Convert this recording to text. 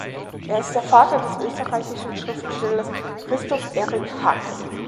Er ist der Vater des österreichischen Schriftstellers Christoph Eric Hack.